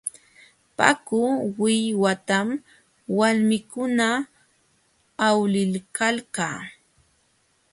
Paku willwatam walmikuna awliykalka.